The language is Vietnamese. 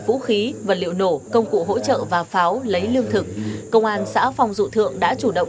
vũ khí vật liệu nổ công cụ hỗ trợ và pháo lấy lương thực công an xã phong dụ thượng đã chủ động